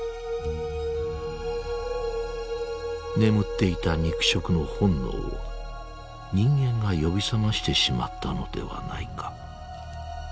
眠っていた肉食の本能を人間が呼び覚ましてしまったのではないか。